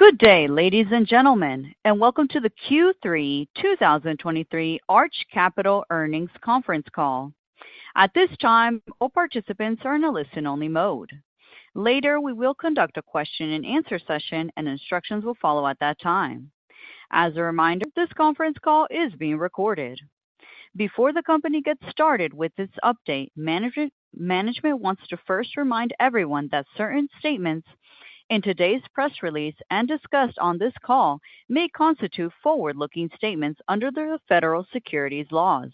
Good day, ladies and gentlemen, and welcome to the Q3 2023 Arch Capital Earnings Conference Call. At this time, all participants are in a listen-only mode. Later, we will conduct a question-and-answer session, and instructions will follow at that time. As a reminder, this conference call is being recorded. Before the company gets started with this update, management wants to first remind everyone that certain statements in today's press release and discussed on this call may constitute forward-looking statements under the federal securities laws.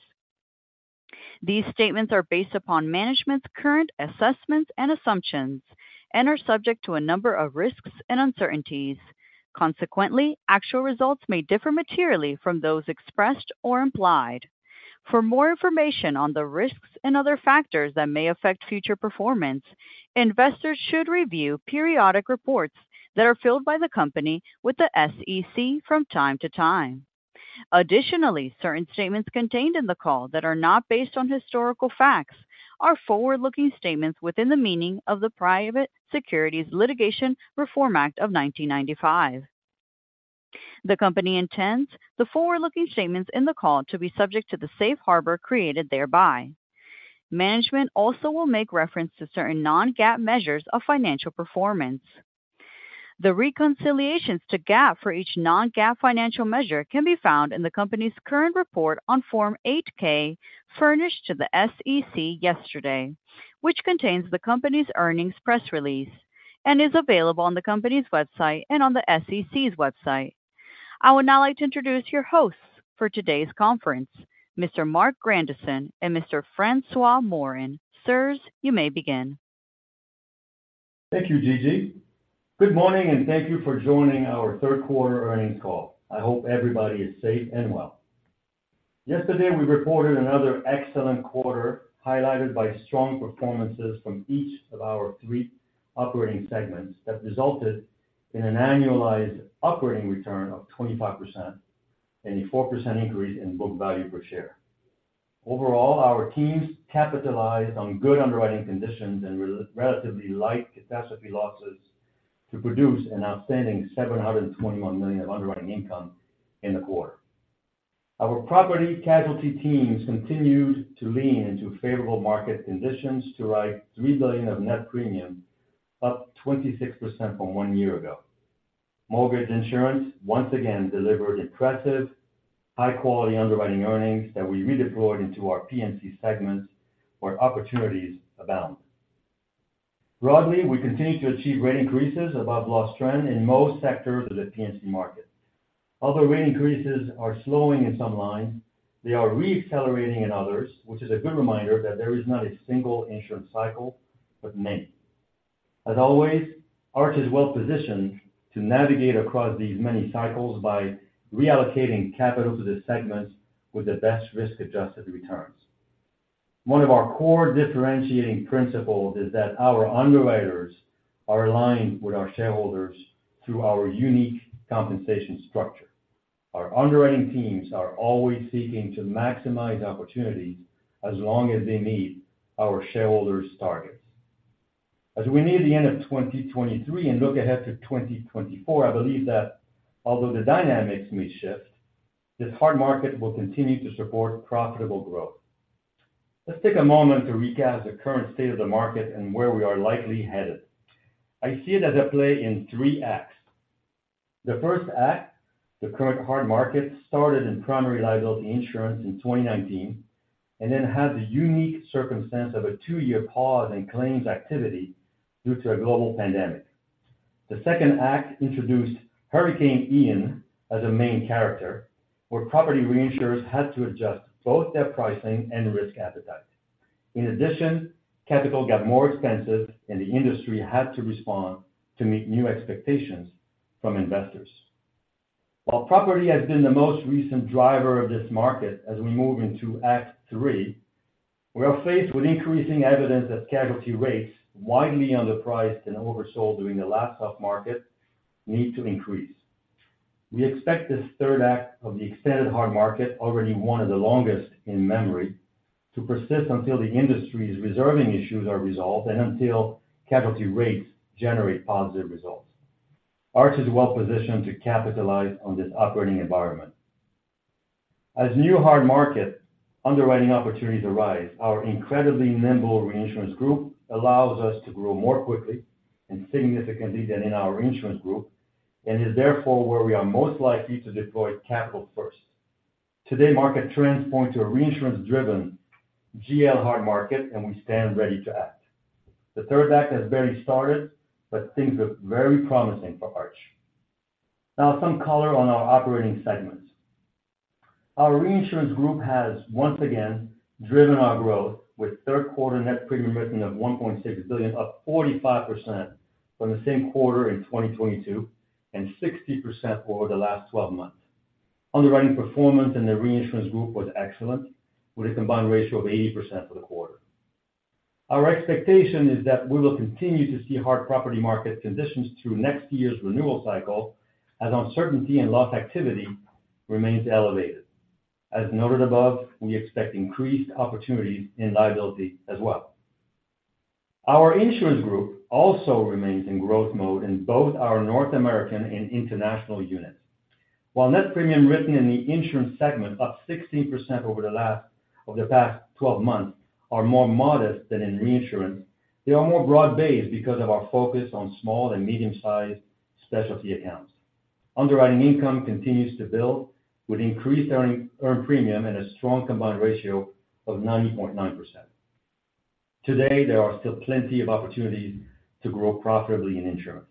These statements are based upon management's current assessments and assumptions and are subject to a number of risks and uncertainties. Consequently, actual results may differ materially from those expressed or implied. For more information on the risks and other factors that may affect future performance, investors should review periodic reports that are filed by the company with the SEC from time to time. Additionally, certain statements contained in the call that are not based on historical facts are forward-looking statements within the meaning of the Private Securities Litigation Reform Act of 1995. The company intends the forward-looking statements in the call to be subject to the safe harbor created thereby. Management also will make reference to certain non-GAAP measures of financial performance. The reconciliations to GAAP for each non-GAAP financial measure can be found in the company's current report on Form 8-K, furnished to the SEC yesterday, which contains the company's earnings press release and is available on the company's website and on the SEC's website. I would now like to introduce your hosts for today's conference, Mr. Marc Grandisson and Mr. François Morin. Sirs, you may begin. Thank you, Gigi. Good morning, and thank you for joining our third quarter earnings call. I hope everybody is safe and well. Yesterday, we reported another excellent quarter, highlighted by strong performances from each of our three operating segments that resulted in an annualized operating return of 25% and a 4% increase in book value per share. Overall, our teams capitalized on good underwriting conditions and relatively light catastrophe losses to produce an outstanding $721 million of underwriting income in the quarter. Our property casualty teams continued to lean into favorable market conditions to write $3 billion of net premium, up 26% from one year ago. Mortgage insurance once again delivered impressive, high-quality underwriting earnings that we redeployed into our P&C segments, where opportunities abound. Broadly, we continue to achieve rate increases above loss trend in most sectors of the P&C market. Although rate increases are slowing in some lines, they are re-accelerating in others, which is a good reminder that there is not a single insurance cycle, but many. As always, Arch is well-positioned to navigate across these many cycles by reallocating capital to the segments with the best risk-adjusted returns. One of our core differentiating principles is that our underwriters are aligned with our shareholders through our unique compensation structure. Our underwriting teams are always seeking to maximize opportunities as long as they meet our shareholders' targets. As we near the end of 2023 and look ahead to 2024, I believe that although the dynamics may shift, this hard market will continue to support profitable growth. Let's take a moment to recap the current state of the market and where we are likely headed. I see it as a play in three acts. The first act, the current hard market, started in primary liability insurance in 2019, and then had the unique circumstance of a 2-year pause in claims activity due to a global pandemic. The second act introduced Hurricane Ian as a main character, where property reinsurers had to adjust both their pricing and risk appetite. In addition, capital got more expensive, and the industry had to respond to meet new expectations from investors. While property has been the most recent driver of this market as we move into act three, we are faced with increasing evidence that casualty rates, widely underpriced and oversold during the last tough market, need to increase. We expect this third act of the extended hard market, already one of the longest in memory, to persist until the industry's reserving issues are resolved and until casualty rates generate positive results. Arch is well positioned to capitalize on this operating environment. As new hard market underwriting opportunities arise, our incredibly nimble reinsurance group allows us to grow more quickly and significantly than in our insurance group and is therefore where we are most likely to deploy capital first. Today, market trends point to a reinsurance-driven GL hard market, and we stand ready to act. The third act has barely started, but things look very promising for Arch. Now, some color on our operating segments. Our reinsurance group has once again driven our growth with third quarter net premium written of $1.6 billion, up 45% from the same quarter in 2022, and 60% over the last twelve months. Underwriting performance in the reinsurance group was excellent, with a combined ratio of 80% for the quarter. Our expectation is that we will continue to see hard property market conditions through next year's renewal cycle, as uncertainty and loss activity remains elevated. As noted above, we expect increased opportunities in liability as well. Our insurance group also remains in growth mode in both our North American and international units. While net premium written in the insurance segment, up 16% over the last of the past 12 months, are more modest than in reinsurance, they are more broad-based because of our focus on small and medium-sized specialty accounts. Underwriting income continues to build with increased earned premium and a strong combined ratio of 90.9%. Today, there are still plenty of opportunities to grow profitably in insurance.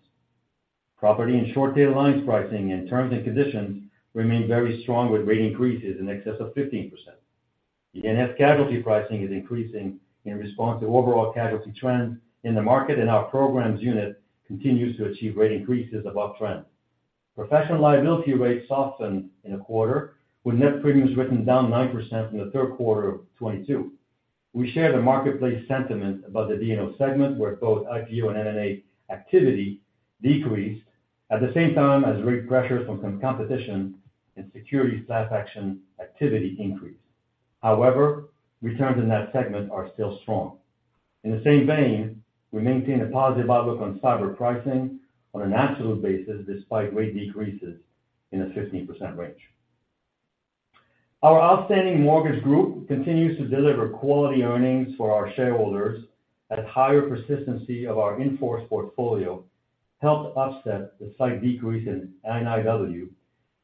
Property and short tail lines pricing and terms and conditions remain very strong, with rate increases in excess of 15%. The E&S casualty pricing is increasing in response to overall casualty trends in the market, and our programs unit continues to achieve rate increases above trend. Professional liability rates softened in the quarter, with net premiums written down 9% from the third quarter of 2022. We share the marketplace sentiment about the D&O segment, where both IPO and M&A activity decreased, at the same time as rate pressures from competition and securities class action activity increased. However, returns in that segment are still strong. In the same vein, we maintain a positive outlook on cyber pricing on an absolute basis, despite rate decreases in the 15% range. Our outstanding mortgage group continues to deliver quality earnings for our shareholders as higher persistency of our in-force portfolio helped offset the slight decrease in NIW,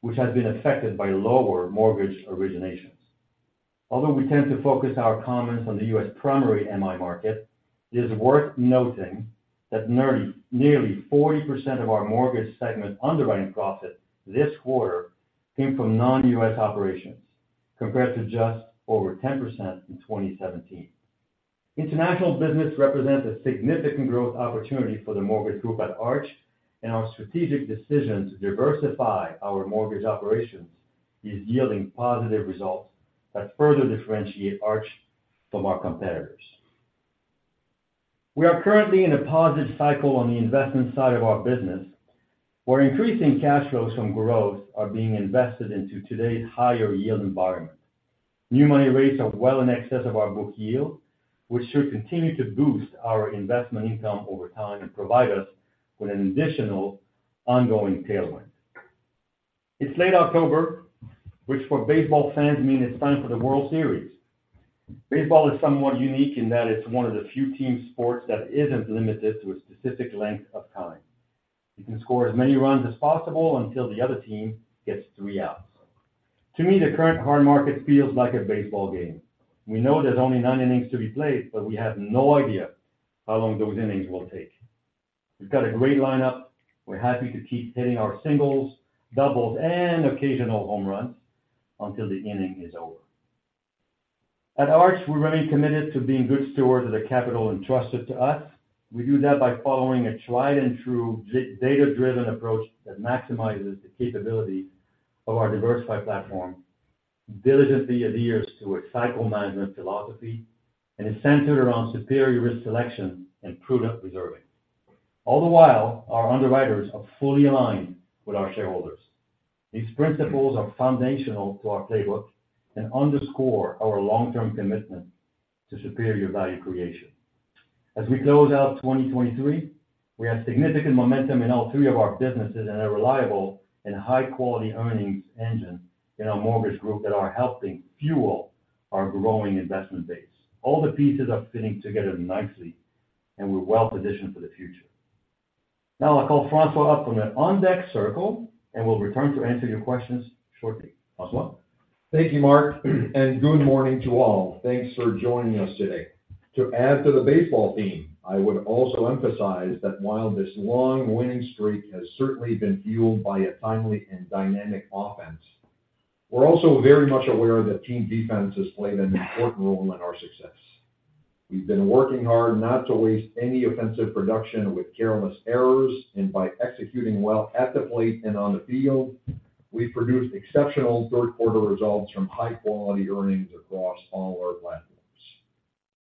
which has been affected by lower mortgage originations. Although we tend to focus our comments on the U.S. primary MI market, it is worth noting that nearly forty percent of our mortgage segment underwriting profit this quarter came from non-U.S. operations, compared to just over 10% in 2017. International business represents a significant growth opportunity for the mortgage group at Arch, and our strategic decision to diversify our mortgage operations is yielding positive results that further differentiate Arch from our competitors. We are currently in a positive cycle on the investment side of our business, where increasing cash flows from growth are being invested into today's higher yield environment. New money rates are well in excess of our book yield, which should continue to boost our investment income over time and provide us with an additional ongoing tailwind. It's late October, which for baseball fans mean it's time for the World Series. Baseball is somewhat unique in that it's one of the few team sports that isn't limited to a specific length of time. You can score as many runs as possible until the other team gets three outs. To me, the current hard market feels like a baseball game. We know there's only nine innings to be played, but we have no idea how long those innings will take. We've got a great lineup. We're happy to keep hitting our singles, doubles, and occasional home runs until the inning is over. At Arch, we remain committed to being good stewards of the capital entrusted to us. We do that by following a tried and true data-driven approach that maximizes the capability of our diversified platform, diligently adheres to a cycle management philosophy, and is centered around superior risk selection and prudent reserving. All the while, our underwriters are fully aligned with our shareholders. These principles are foundational to our playbook and underscore our long-term commitment to superior value creation. As we close out 2023, we have significant momentum in all three of our businesses and a reliable and high-quality earnings engine in our mortgage group that are helping fuel our growing investment base. All the pieces are fitting together nicely, and we're well positioned for the future. Now I'll call François up from the on-deck circle, and we'll return to answer your questions shortly. François? Thank you, Marc, and good morning to all. Thanks for joining us today. To add to the baseball theme, I would also emphasize that while this long winning streak has certainly been fueled by a timely and dynamic offense, we're also very much aware that team defense has played an important role in our success. We've been working hard not to waste any offensive production with careless errors, and by executing well at the plate and on the field, we've produced exceptional third quarter results from high-quality earnings across all our platforms.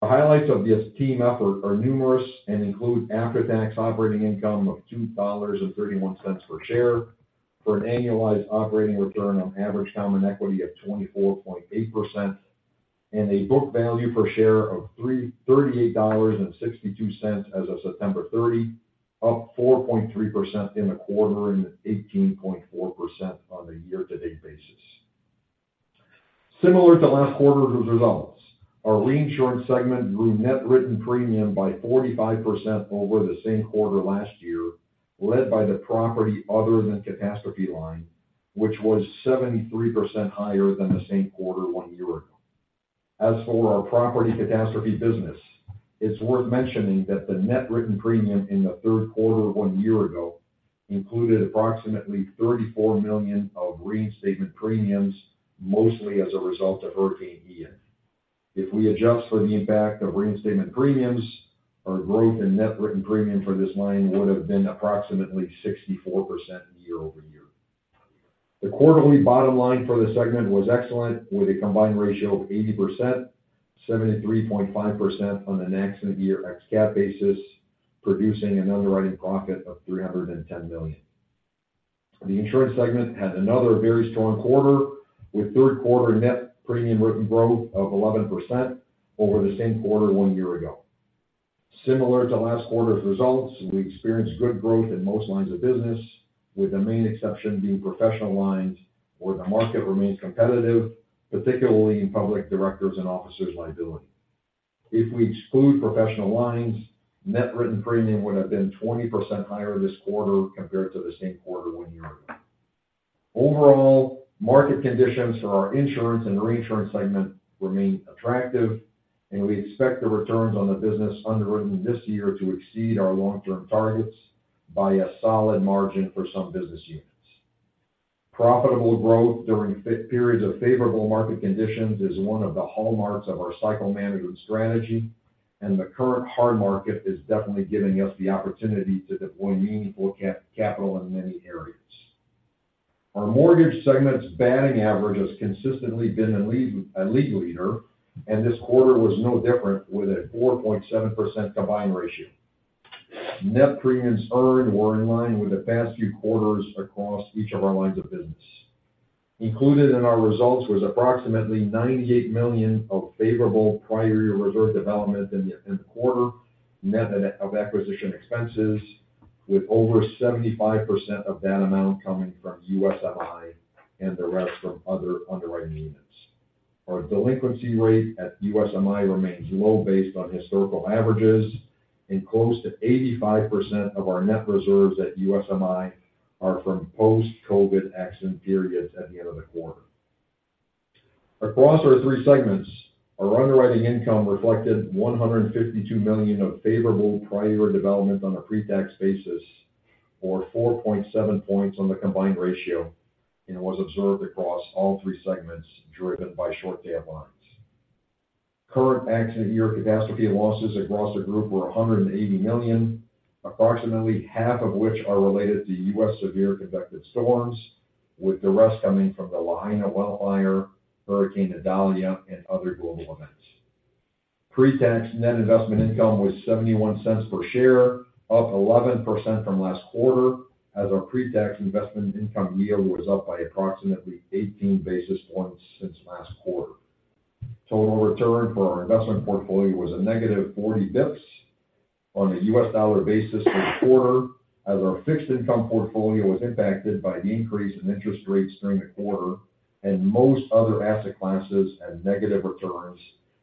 The highlights of this team effort are numerous and include after-tax operating income of $2.31 per share for an annualized operating return on average common equity of 24.8%, and a book value per share of $338.62 as of September 30, up 4.3% in the quarter and 18.4% on a year-to-date basis. Similar to last quarter's results, our reinsurance segment grew net written premium by 45% over the same quarter last year, led by the property other than catastrophe line, which was 73% higher than the same quarter one year ago. As for our property catastrophe business, it's worth mentioning that the net written premium in the third quarter one year ago included approximately $34 million of reinstatement premiums, mostly as a result of Hurricane Ian. If we adjust for the impact of reinstatement premiums, our growth in net written premium for this line would have been approximately 64% year-over-year. The quarterly bottom line for the segment was excellent, with a combined ratio of 80%, 73.5% on an accident year ex-cat basis, producing an underwriting profit of $310 million. The insurance segment had another very strong quarter, with third quarter net premium written growth of 11% over the same quarter one year ago. Similar to last quarter's results, we experienced good growth in most lines of business, with the main exception being professional lines, where the market remains competitive, particularly in public Directors and Officers' liability. If we exclude professional lines, net written premium would have been 20% higher this quarter compared to the same quarter one year ago. Overall, market conditions for our insurance and reinsurance segment remain attractive, and we expect the returns on the business underwritten this year to exceed our long-term targets by a solid margin for some business units. Profitable growth during periods of favorable market conditions is one of the hallmarks of our cycle management strategy, and the current hard market is definitely giving us the opportunity to deploy meaningful capital in many areas. Our mortgage segment's batting average has consistently been a lead, a league leader, and this quarter was no different, with a 4.7% combined ratio. Net premiums earned were in line with the past few quarters across each of our lines of business. Included in our results was approximately $98 million of favorable prior-year reserve development in the quarter, net of acquisition expenses, with over 75% of that amount coming from USMI and the rest from other underwriting units. Our delinquency rate at USMI remains low based on historical averages, and close to 85% of our net reserves at USMI are from post-COVID accident periods at the end of the quarter. Across our three segments, our underwriting income reflected $152 million of favorable prior-year development on a pretax basis, or 4.7 points on the combined ratio, and was observed across all three segments, driven by short tail lines. Current accident year catastrophe losses across the group were $180 million, approximately half of which are related to U.S. severe convective storms, with the rest coming from the Lahaina wildfire, Hurricane Idalia, and other global events. Pretax net investment income was $0.71 per share, up 11% from last quarter, as our pretax investment income yield was up by approximately eighteen basis points since last quarter. Total return for our investment portfolio was a negative forty basis points on a U.S. dollar basis this quarter, as our fixed income portfolio was impacted by the increase in interest rates during the quarter, and most other asset classes had negative returns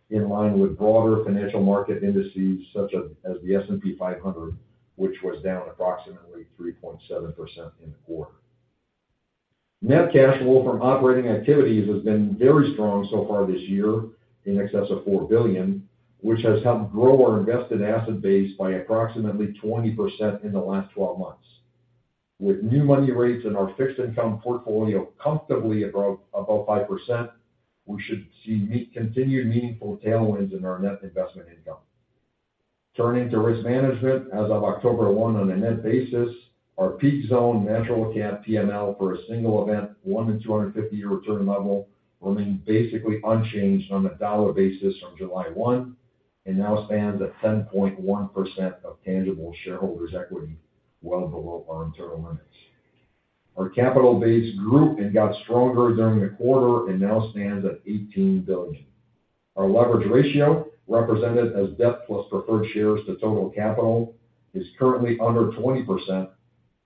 in line with broader financial market indices, such as, as the S&P 500, which was down approximately 3.7% in the quarter. Net cash flow from operating activities has been very strong so far this year, in excess of $4 billion, which has helped grow our invested asset base by approximately 20% in the last 12 months. With new money rates in our fixed income portfolio comfortably above 5%, we should see continued meaningful tailwinds in our net investment income. Turning to risk management, as of October 1, on a net basis, our peak zone natural cat PML for a single event, 1-in-250-year return level, remains basically unchanged on a dollar basis from July 1, and now stands at 10.1% of tangible shareholders' equity, well below our internal limits. Our capital base grew and got stronger during the quarter and now stands at $18 billion. Our leverage ratio, represented as debt plus preferred shares to total capital, is currently under 20%,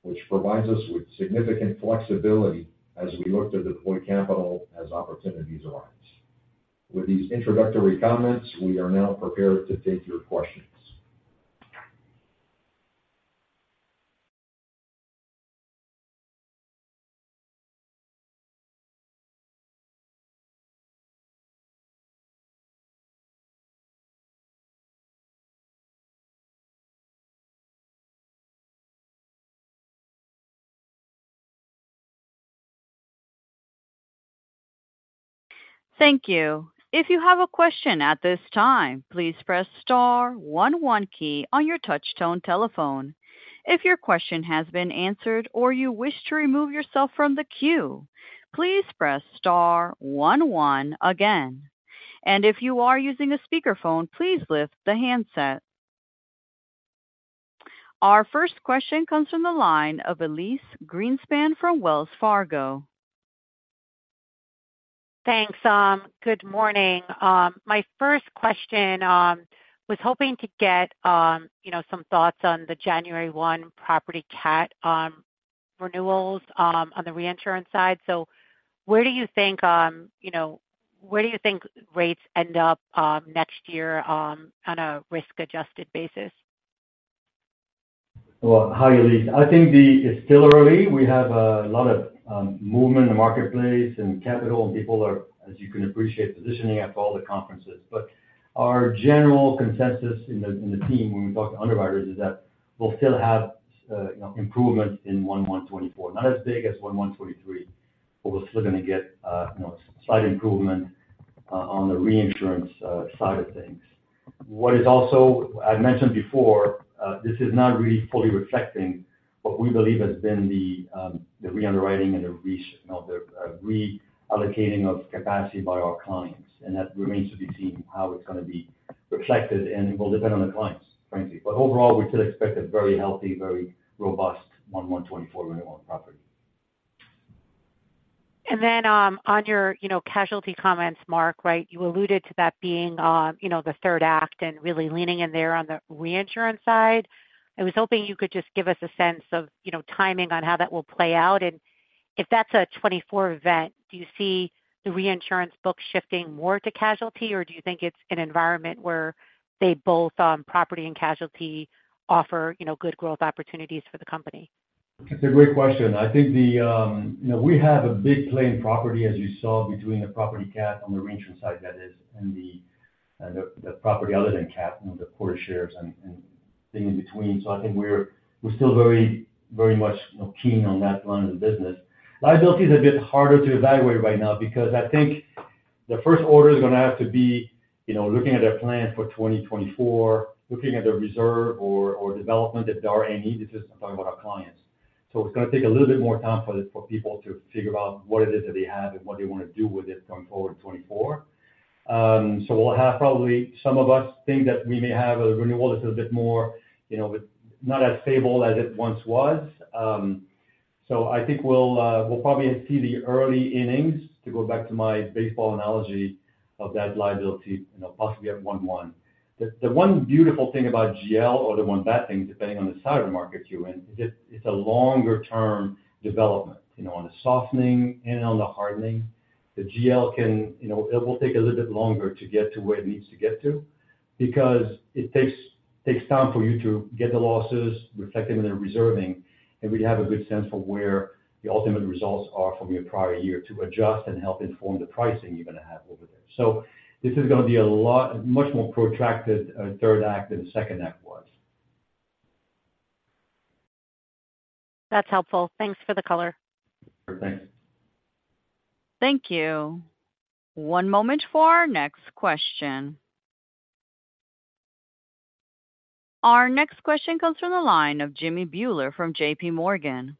which provides us with significant flexibility as we look to deploy capital as opportunities arise. With these introductory comments, we are now prepared to take your questions. Thank you. If you have a question at this time, please press star one, one key on your touchtone telephone. If your question has been answered or you wish to remove yourself from the queue, please press star one, one again. And if you are using a speakerphone, please lift the handset. Our first question comes from the line of Elyse Greenspan from Wells Fargo. Thanks, good morning. My first question was hoping to get, you know, some thoughts on the January 1 property cat renewals on the reinsurance side. So where do you think, you know, where do you think rates end up next year on a risk-adjusted basis? Well, hi, Elyse. I think it's still early. We have a lot of movement in the marketplace and capital, and people are, as you can appreciate, positioning at all the conferences. But our general consensus in the team when we talk to underwriters is that we'll still have, you know, improvement in Q1 2024. Not as big as Q1 2023, but we're still going to get, you know, slight improvement on the reinsurance side of things. What is also. I've mentioned before, this is not really fully reflecting what we believe has been the the reunderwriting and the re, you know, the reallocating of capacity by our clients. And that remains to be seen how it's going to be reflected, and it will depend on the clients, frankly. But overall, we still expect a very healthy, very robust 1/1/2024 renewal on property. And then, on your, you know, casualty comments, Marc, right? You alluded to that being, you know, the third act and really leaning in there on the reinsurance side. I was hoping you could just give us a sense of, you know, timing on how that will play out, and if that's a 2024 event, do you see the reinsurance book shifting more to casualty, or do you think it's an environment where they both, property and casualty, offer, you know, good growth opportunities for the company? That's a great question. I think the, you know, we have a big play in property, as you saw between the property cat on the reinsurance side, that is, and the property other than cat, you know, the quota shares and thing in between. So I think we're still very, very much, you know, keen on that line of the business. Liability is a bit harder to evaluate right now because I think the first order is going to have to be, you know, looking at their plans for 2024, looking at their reserve development that there are any. This is, I'm talking about our clients. So it's going to take a little bit more time for people to figure out what it is that they have and what they want to do with it going forward in 2024. So we'll have probably some of us think that we may have a renewal that's a bit more, you know, but not as stable as it once was. So I think we'll, we'll probably see the early innings, to go back to my baseball analogy, of that liability, you know, possibly at 1/1. The one beautiful thing about GL, or the one bad thing, depending on the side of the market you're in, is it's a longer-term development, you know, on the softening and on the hardening. The GL can. You know, it will take a little bit longer to get to where it needs to get to because it takes time for you to get the losses, reflect them in their reserving, and we have a good sense for where the ultimate results are from your prior-year to adjust and help inform the pricing you're going to have over there. So this is going to be a lot much more protracted third act than the second act was. That's helpful. Thanks for the color. Sure. Thanks. Thank you. One moment for our next question. Our next question comes from the line of Jimmy Bhullar from J.P. Morgan.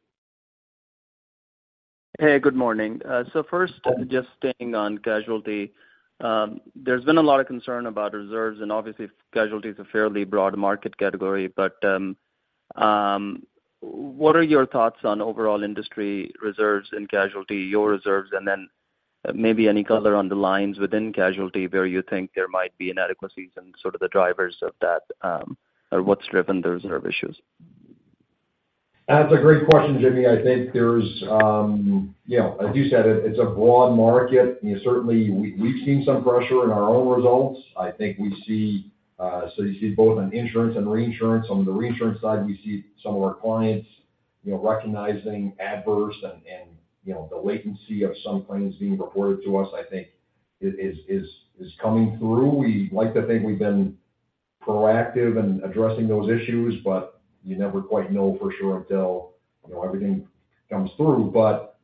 Hey, good morning. So first, just staying on casualty. There's been a lot of concern about reserves, and obviously casualty is a fairly broad market category, but what are your thoughts on overall industry reserves in casualty, your reserves, and then maybe any color on the lines within casualty where you think there might be inadequacies and sort of the drivers of that, or what's driven the reserve issues? That's a great question, Jimmy. I think there's, you know, as you said, it's a broad market. You know, certainly, we've seen some pressure in our own results. I think we see, so you see it both on insurance and reinsurance. On the reinsurance side, we see some of our clients, you know, recognizing adverse and, you know, the latency of some claims being reported to us, I think, is coming through. We like to think we've been proactive in addressing those issues, but you never quite know for sure until, you know, everything comes through. But,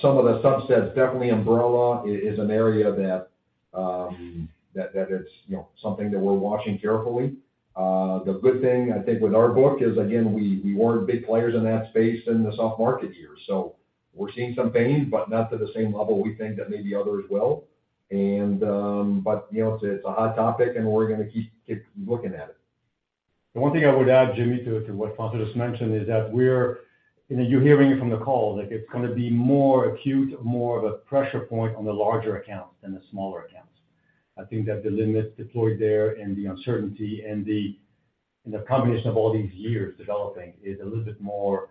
some of the subsets, definitely umbrella is an area that, that it's, you know, something that we're watching carefully. The good thing, I think, with our book is, again, we weren't big players in that space in the soft market year. So we're seeing some pain, but not to the same level we think that maybe others will. But, you know, it's a hot topic, and we're going to keep looking at it. The one thing I would add, Jimmy, to what François just mentioned, is that we're. You know, you're hearing it from the call, like it's going to be more acute, more of a pressure point on the larger accounts than the smaller accounts. I think that the limits deployed there and the uncertainty and the combination of all these years developing is a little bit more,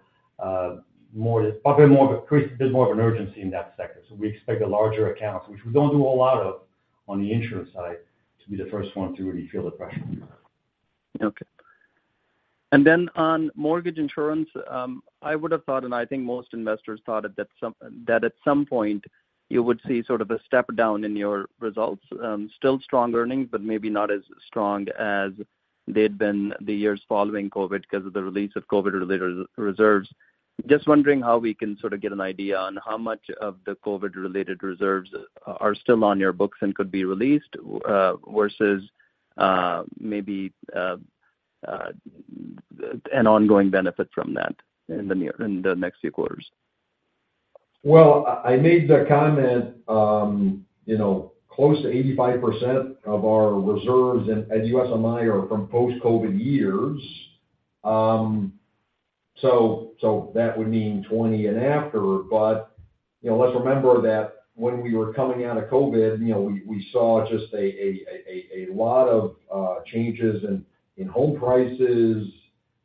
more, probably more of a bit more of an urgency in that sector. So we expect the larger accounts, which we don't do a lot of on the insurance side, to be the first one to really feel the pressure. Okay. And then on mortgage insurance, I would have thought, and I think most investors thought that at some point you would see sort of a step down in your results. Still strong earnings, but maybe not as strong as they'd been the years following COVID because of the release of COVID-related reserves. Just wondering how we can sort of get an idea on how much of the COVID-related reserves are still on your books and could be released, versus maybe an ongoing benefit from that in the next few quarters. Well, I made the comment, you know, close to 85% of our reserves at USMI are from post-COVID years. So, so that would mean 2020 and after. But, you know, let's remember that when we were coming out of COVID, you know, we saw just a lot of changes in home prices,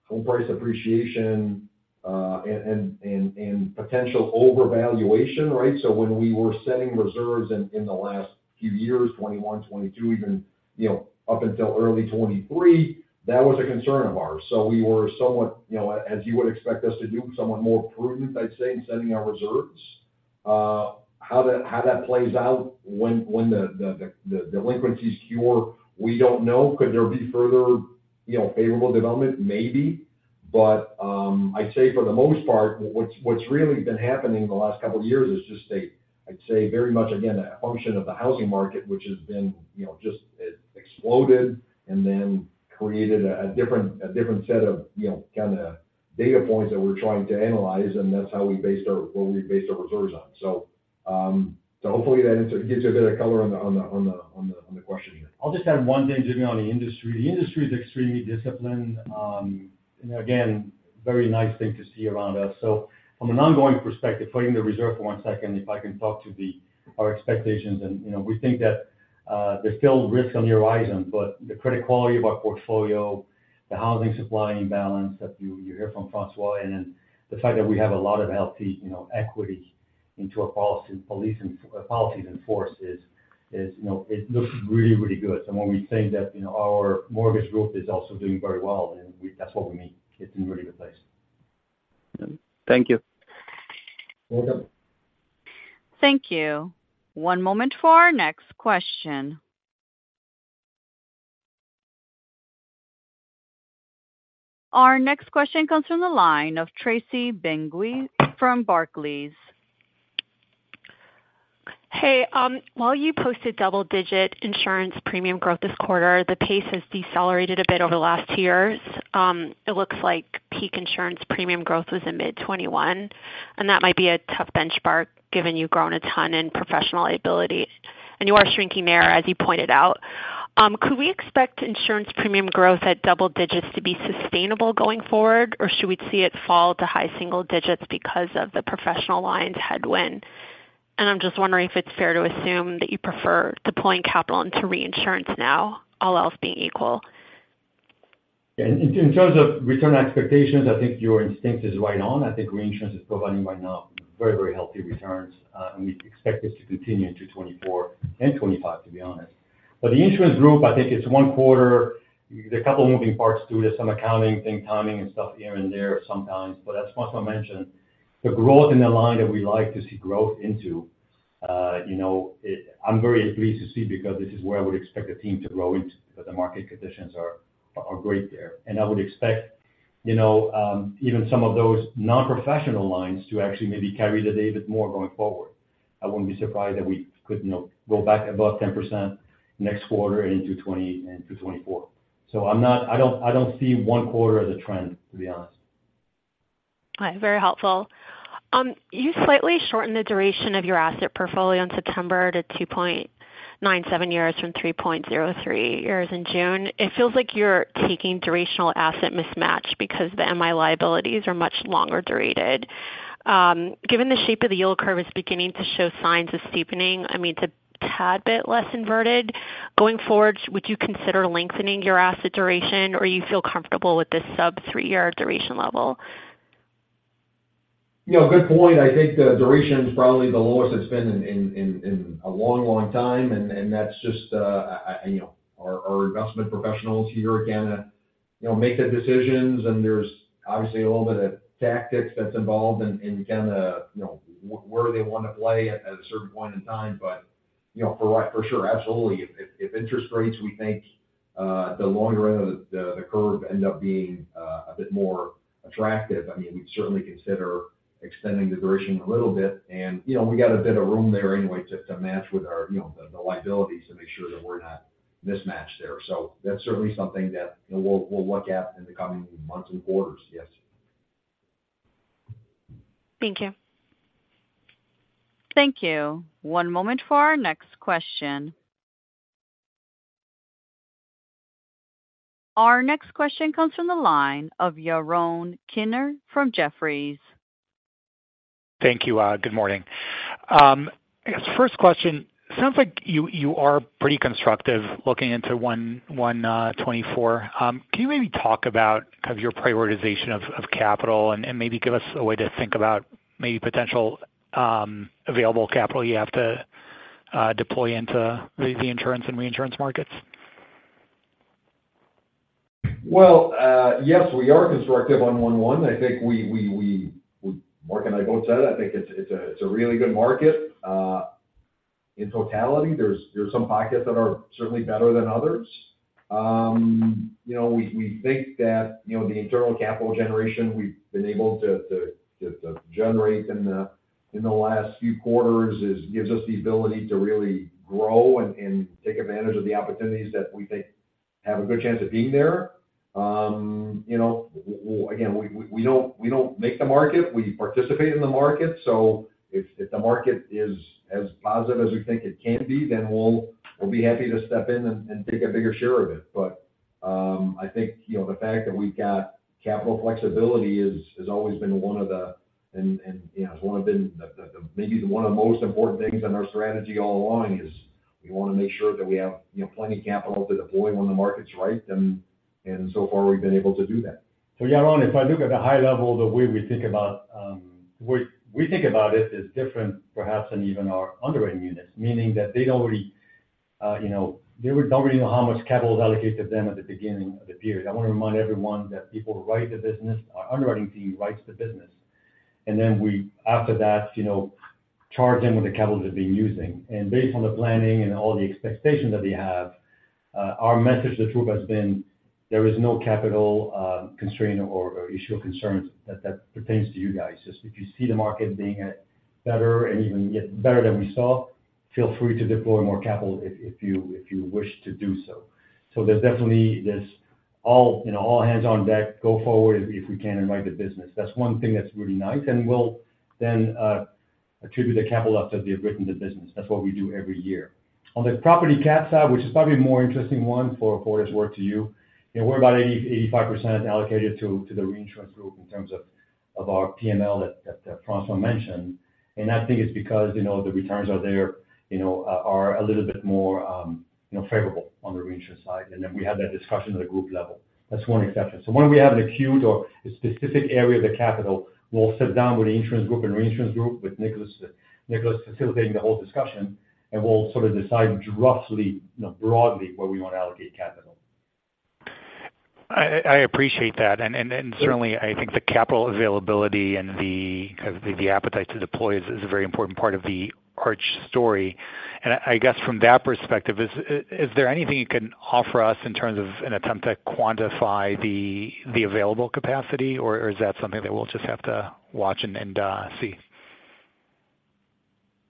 home price appreciation, and potential overvaluation, right? So when we were setting reserves in the last few years, 2021, 2022, even, you know, up until early 2023, that was a concern of ours. So we were somewhat, you know, as you would expect us to do, somewhat more prudent, I'd say, in setting our reserves. How that plays out when the delinquency is cured, we don't know. Could there be further, you know, favorable development? Maybe. But, I'd say for the most part, what's really been happening in the last couple of years is just a, I'd say, very much, again, a function of the housing market, which has been, you know, just it exploded and then created a different, a different set of, you know, kind of data points that we're trying to analyze, and that's how we based our what we based our reserves on. So hopefully that gives you a bit of color on the question here. I'll just add one thing, Jimmy, on the industry. The industry is extremely disciplined. And again, very nice thing to see around us. So from an ongoing perspective, putting the reserve for one second, if I can talk to our expectations. And, you know, we think that there's still risk on the horizon, but the credit quality of our portfolio, the housing supply imbalance that you, you hear from François, and then the fact that we have a lot of healthy, you know, equity into our policy, policy, policies in force is, is, you know, it looks really, really good. And when we say that, you know, our mortgage group is also doing very well, and we- that's what we mean. It's in a really good place. Thank you. Welcome. Thank you. One moment for our next question. Our next question comes from the line of Tracy Benguigui from Barclays. Hey, while you posted double-digit insurance premium growth this quarter, the pace has decelerated a bit over the last two years. It looks like peak insurance premium growth was in mid-2021, and that might be a tough benchmark, given you've grown a ton in professional liability, and you are shrinking there, as you pointed out. Could we expect insurance premium growth at double digits to be sustainable going forward, or should we see it fall to high single digits because of the professional lines headwind? I'm just wondering if it's fair to assume that you prefer deploying capital into reinsurance now, all else being equal? Yeah. In terms of return expectations, I think your instinct is right on. I think reinsurance is providing right now very, very healthy returns, and we expect this to continue into 2024 and 2025, to be honest. But the insurance group, I think it's one quarter. There are a couple of moving parts to it, some accounting, think timing and stuff here and there sometimes, but as François mentioned, the growth in the line that we like to see growth into, you know, it. I'm very pleased to see because this is where I would expect the team to grow into, but the market conditions are great there. And I would expect, you know, even some of those non-professional lines to actually maybe carry the day a bit more going forward. I wouldn't be surprised that we could, you know, go back above 10% next quarter into 2024. So I don't, I don't see one quarter as a trend, to be honest. All right. Very helpful. You slightly shortened the duration of your asset portfolio in September to 2.97 years from 3.03 years in June. It feels like you're taking durational asset mismatch because the MI liabilities are much longer durated. Given the shape of the yield curve is beginning to show signs of steepening, I mean, it's a tad bit less inverted. Going forward, would you consider lengthening your asset duration, or you feel comfortable with this sub-3-year duration level? You know, good point. I think the duration is probably the lowest it's been in a long, long time, and that's just, you know, our, our investment professionals here, again, you know, make the decisions, and there's obviously a little bit of tactics that's involved in kind of, you know, where they want to play at a certain point in time. But, you know, for right, for sure, absolutely. If interest rates, we think, the longer the curve end up being a bit more attractive, I mean, we'd certainly consider extending the duration a little bit. And, you know, we got a bit of room there anyway to match with our, you know, the, the liabilities to make sure that we're not mismatched there. So that's certainly something that, you know, we'll look at in the coming months and quarters, yes. Thank you. Thank you. One moment for our next question. Our next question comes from the line of Yaron Kinar from Jefferies. Thank you. Good morning. I guess first question, sounds like you are pretty constructive looking into 2024. Can you maybe talk about kind of your prioritization of capital and maybe give us a way to think about maybe potential available capital you have to deploy into the insurance and reinsurance markets? Well, yes, we are constructive on 1/1. I think we Marc and I both said, I think it's a really good market. In totality, there's some pockets that are certainly better than others. You know, we think that the internal capital generation we've been able to generate in the last few quarters gives us the ability to really grow and take advantage of the opportunities that we think have a good chance of being there. You know, again, we don't make the market, we participate in the market. So if the market is as positive as we think it can be, then we'll be happy to step in and take a bigger share of it. But, I think, you know, the fact that we've got capital flexibility is, has always been one of the, and, you know, has one of the, maybe one of the most important things in our strategy all along is we want to make sure that we have, you know, plenty of capital to deploy when the market's right, and so far, we've been able to do that. So, Yaron, if I look at the high level, the way we think about it is different, perhaps than even our underwriting units, meaning that they'd already, you know, they would already know how much capital is allocated to them at the beginning of the period. I want to remind everyone that people who write the business, our underwriting team writes the business, and then we, after that, you know, charge them with the capital they've been using. And based on the planning and all the expectations that they have, our message to the group has been, there is no capital constraint or issue of concerns that pertains to you guys. Just if you see the market being at better and even get better than we saw, feel free to deploy more capital if you wish to do so. So there's definitely this all, you know, all hands on deck, go forward if we can and write the business. That's one thing that's really nice, and we'll then attribute the capital up that we have written the business. That's what we do every year. On the property cat side, which is probably a more interesting one for this work to you, you know, we're about 80-85% allocated to the reinsurance group in terms of our PNL that François mentioned. And I think it's because, you know, the returns are there, you know, are a little bit more favorable on the reinsurance side. Then we have that discussion at a group level. That's one exception. When we have an acute or a specific area of the capital, we'll sit down with the insurance group and reinsurance group, with Nicolas, Nicolas facilitating the whole discussion, and we'll sort of decide roughly, you know, broadly, where we want to allocate capital. I appreciate that, and certainly I think the capital availability and the appetite to deploy is a very important part of the Arch story. And I guess from that perspective, is there anything you can offer us in terms of an attempt to quantify the available capacity, or is that something that we'll just have to watch and see?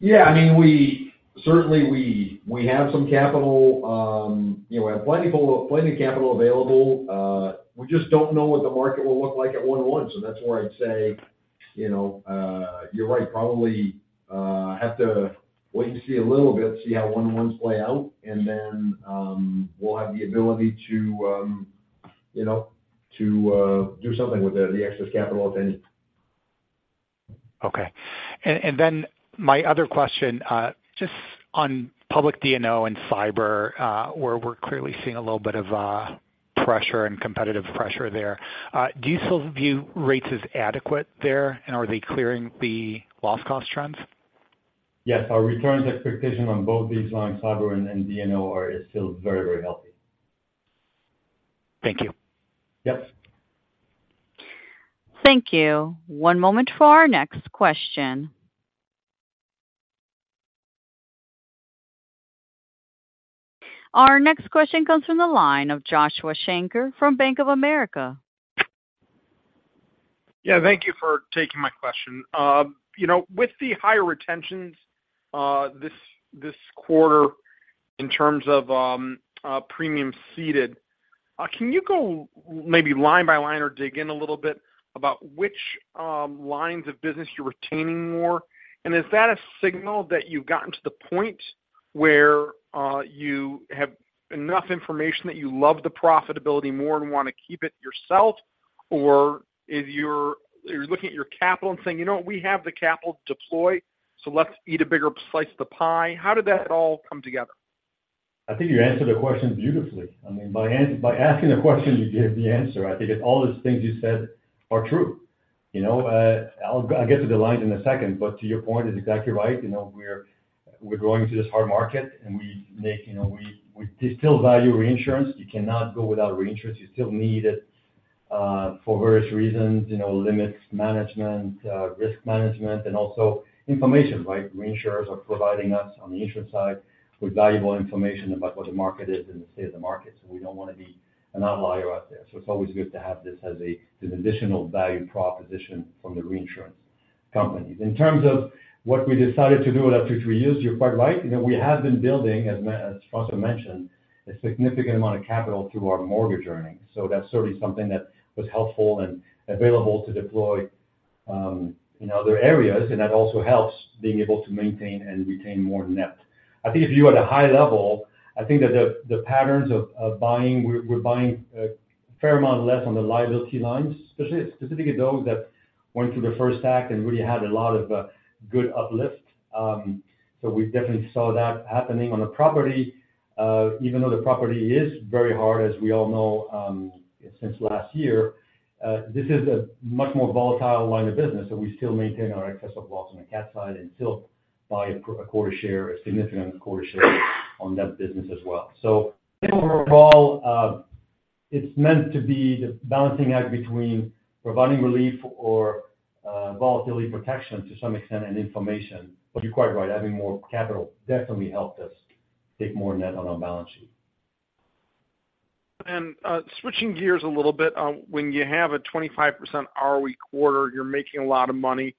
Yeah, I mean, we certainly have some capital, you know, we have plenty people, plenty of capital available. We just don't know what the market will look like at 1/1, so that's where I'd say, you know, you're right, probably have to wait to see a little bit, see how 1/1s play out, and then we'll have the ability to, you know, to do something with the excess capital if any. Okay. And then my other question, just on public D&O and cyber, where we're clearly seeing a little bit of pressure and competitive pressure there. Do you still view rates as adequate there, and are they clearing the loss cost trends? Yes, our returns expectation on both these lines, cyber and D&O, are still very, very healthy. Thank you. Yes. Thank you. One moment for our next question. Our next question comes from the line of Joshua Shanker from Bank of America. Yeah, thank you for taking my question. You know, with the higher retentions, this quarter in terms of premium ceded, can you go maybe line by line or dig in a little bit about which lines of business you're retaining more? And is that a signal that you've gotten to the point where you have enough information that you love the profitability more and want to keep it yourself? Or if you're looking at your capital and saying, "You know what? We have the capital to deploy, so let's eat a bigger slice of the pie." How did that all come together? I think you answered the question beautifully. I mean, by asking the question, you gave the answer. I think all the things you said are true. You know, I'll get to the lines in a second, but to your point, it's exactly right. You know, we're going through this hard market, and we still value reinsurance. You cannot go without reinsurance. You still need it for various reasons, you know, limits management, risk management, and also information, right? Reinsurers are providing us, on the insurance side, with valuable information about what the market is and the state of the market, so we don't want to be an outlier out there. So it's always good to have this as an additional value proposition from the reinsurance companies. In terms of what we decided to do after three years, you're quite right. You know, we have been building, as François mentioned, a significant amount of capital through our mortgage earnings. So that's certainly something that was helpful and available to deploy in other areas, and that also helps being able to maintain and retain more net. I think if you at a high level, I think that the patterns of buying, we're buying a fair amount less on the liability lines, specifically those that went through the first act and really had a lot of good uplift. So we definitely saw that happening on the property. Even though the property is very hard, as we all know, since last year, this is a much more volatile line of business, so we still maintain our excess of loss on the cat side and still buy a quota share, a significant quota share on that business as well. So overall, it's meant to be the balancing act between providing relief or volatility protection to some extent and information. But you're quite right, having more capital definitely helped us take more net on our balance sheet. Switching gears a little bit, when you have a 25% ROE quarter, you're making a lot of money,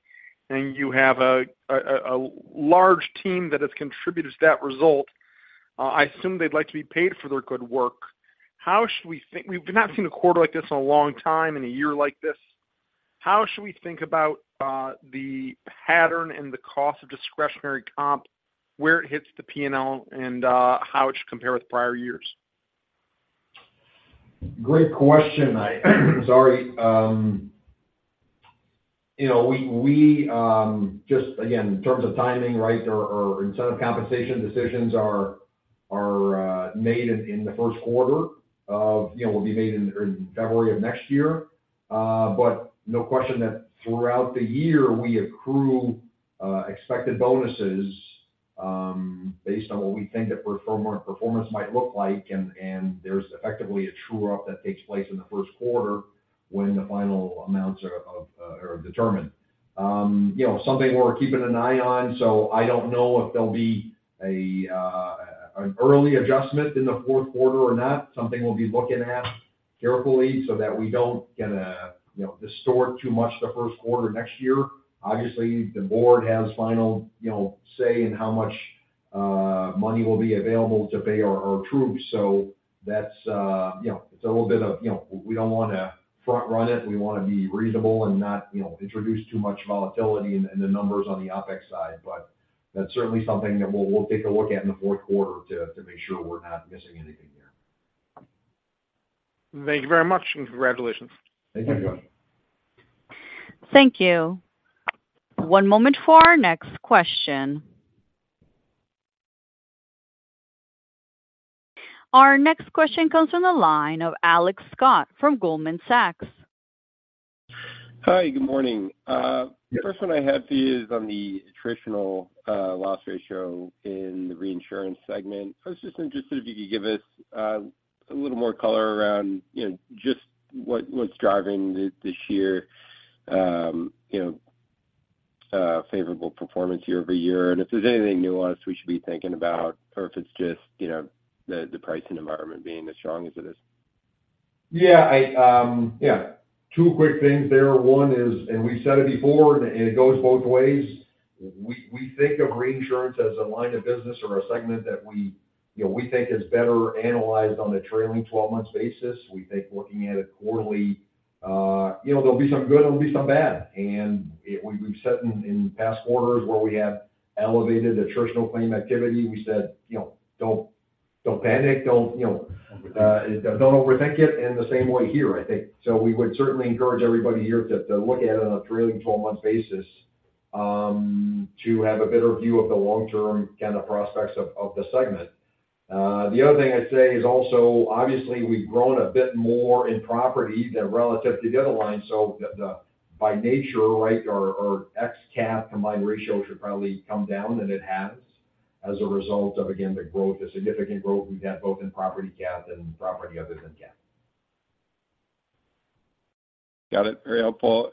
and you have a large team that has contributed to that result, I assume they'd like to be paid for their good work. How should we think? We've not seen a quarter like this in a long time, in a year like this. How should we think about the pattern and the cost of discretionary comp, where it hits the P&L, and how it should compare with prior-years? Great question. Sorry. You know, we just again, in terms of timing, right, our incentive compensation decisions are made in the first quarter. You know, will be made in February of next year. But no question that throughout the year, we accrue expected bonuses based on what we think that performance might look like, and there's effectively a true-up that takes place in the first quarter when the final amounts are determined. You know, something we're keeping an eye on, so I don't know if there'll be an early adjustment in the fourth quarter or not. Something we'll be looking at carefully so that we don't get a, you know, distort too much the first quarter next year. Obviously, the board has final, you know, say in how much money will be available to pay our troops. So that's, you know, it's a little bit of, you know, we don't want to front run it. We want to be reasonable and not, you know, introduce too much volatility in the numbers on the OpEx side. But that's certainly something that we'll take a look at in the fourth quarter to make sure we're not missing anything there. Thank you very much, and congratulations. Thank you. Thank you. One moment for our next question. Our next question comes from the line of Alex Scott from Goldman Sachs. Hi, good morning. Yeah. The first one I have for you is on the attritional loss ratio in the reinsurance segment. I was just interested if you could give us a little more color around, you know, just what's driving this year, you know, favorable performance year-over-year. And if there's anything nuanced we should be thinking about, or if it's just, you know, the pricing environment being as strong as it is? Yeah, I, yeah, two quick things there. One is, and we've said it before, and it goes both ways, we, we think of reinsurance as a line of business or a segment that we, you know, we think is better analyzed on a trailing twelve months basis. We think looking at it quarterly, you know, there'll be some good and there'll be some bad. And it, we, we've said in, in past quarters where we have elevated attritional claim activity, we said, "You know, don't, don't panic. Don't, you know, don't overthink it," and the same way here, I think. So we would certainly encourage everybody here to, to look at it on a trailing twelve months basis, to have a better view of the long-term kind of prospects of, of the segment. The other thing I'd say is also, obviously, we've grown a bit more in property than relative to the other lines. So, by nature, right, our ex-cat combined ratio should probably come down, and it has, as a result of, again, the growth, the significant growth we've had both in property cat and property other than cat. Got it. Very helpful.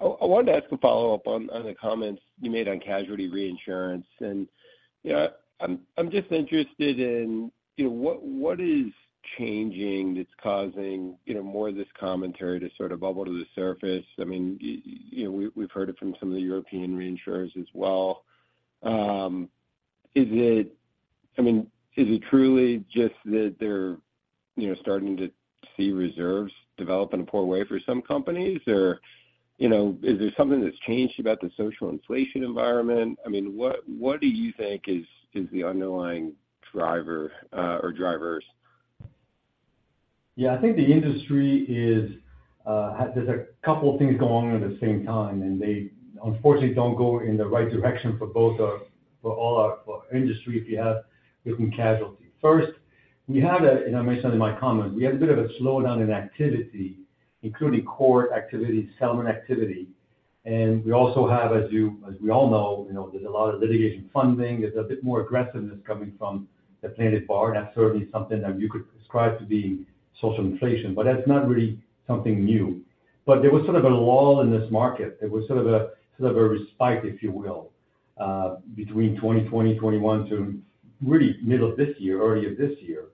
I wanted to ask a follow-up on the comments you made on casualty reinsurance. You know, I'm just interested in what is changing that's causing more of this commentary to sort of bubble to the surface? I mean, you know, we've heard it from some of the European reinsurers as well. Is it truly just that they're you know, starting to see reserves develop in a poor way for some companies? Or, you know, is there something that's changed about the social inflation environment? I mean, what do you think is the underlying driver or drivers? Yeah, I think the industry is, there's a couple of things going on at the same time, and they unfortunately don't go in the right direction for both our—for all our, for our industry, if you have, between casualty. First, we had a, and I mentioned in my comment, we had a bit of a slowdown in activity, including court activity, settlement activity. And we also have, as you, as we all know, you know, there's a lot of litigation funding. There's a bit more aggressiveness coming from the plaintiff bar, and that's certainly something that you could describe to be social inflation, but that's not really something new. But there was sort of a lull in this market. There was sort of a, sort of a respite, if you will, between 2020, 2021 to really middle of this year, early of this year.